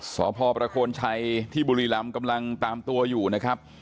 สพประโคนชัยที่บุรีรำกำลังตามตัวอยู่นะครับ